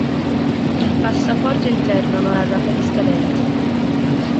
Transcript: Il passaporto interno non ha data di scadenza.